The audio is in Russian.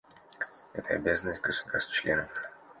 Это обязанность государств-членов.